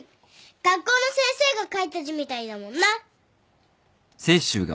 学校の先生が書いた字みたいだもんな。